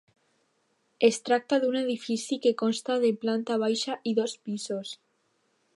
Es tracta d’un edifici que consta de planta baixa i dos pisos.